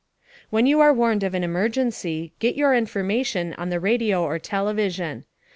When you are warned of an emergency, get your information on the radio or television.